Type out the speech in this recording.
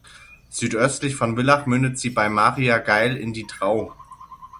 Südöstlich von Villach mündet sie bei Maria Gail in die Drau.